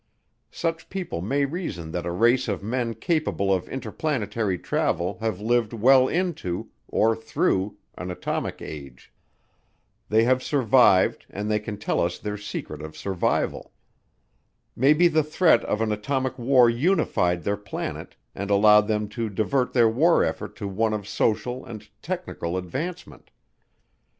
Such people may reason that a race of men capable of interplanetary travel have lived well into, or through, an atomic age. They have survived and they can tell us their secret of survival. Maybe the threat of an atomic war unified their planet and allowed them to divert their war effort to one of social and technical advancement.